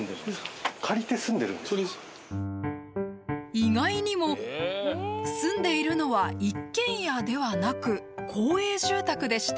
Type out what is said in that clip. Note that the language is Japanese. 意外にも住んでいるのは一軒家ではなく公営住宅でした。